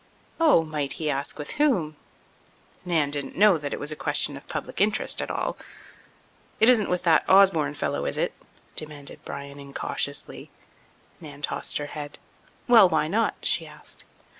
Oh! Might he ask with whom? Nan didn't know that it was a question of public interest at all. "It isn't with that Osborne fellow, is it?" demanded Bryan incautiously. Nan tossed her head. "Well, why not?" she asked.